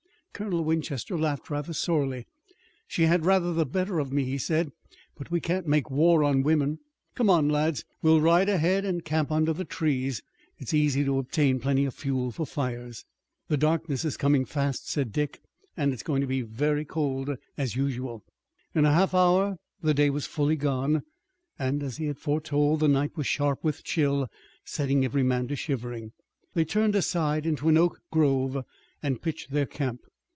Colonel Winchester laughed rather sorely. "She had rather the better of me," he said, "but we can't make war on women. Come on, lads, we'll ride ahead, and camp under the trees. It's easy to obtain plenty of fuel for fires." "The darkness is coming fast," said Dick, "and it is going to be very cold, as usual." In a half hour the day was fully gone, and, as he had foretold, the night was sharp with chill, setting every man to shivering. They turned aside into an oak grove and pitched their camp.